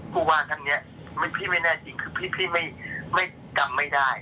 ท่านเนี่ยพี่แม่น่าคงไม่กลับไม่ได้